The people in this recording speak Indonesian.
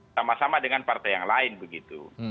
sama sama dengan partai yang lain begitu